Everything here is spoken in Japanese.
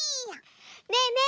ねえねえ